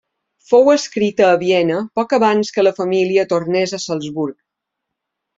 Fou escrita a Viena poc abans que la família tornés a Salzburg.